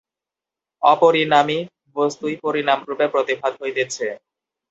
অপরিণামী বস্তুই পরিণামরূপে প্রতিভাত হইতেছে।